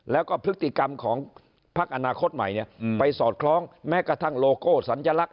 แล้วก็พฤติกรรมของพักอนาคตใหม่ไปสอดคล้องแม้กระทั่งโลโก้สัญลักษณ